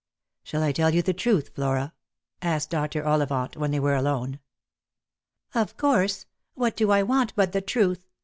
" Shall I tell you the truth, Flora P " asked Dr. Ollivant, when they were alone. " Of course; what do I want but the truth?"